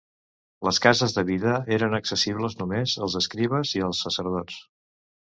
Les cases de Vida eren accessibles només als escribes i als sacerdots.